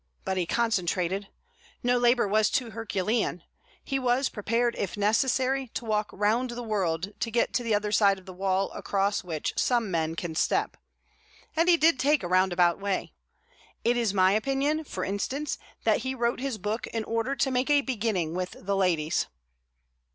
But he concentrated. No labour was too Herculean; he was prepared, if necessary, to walk round the world to get to the other side of the wall across which some men can step. And he did take a roundabout way. It is my opinion, for instance, that he wrote his book in order to make a beginning with the ladies.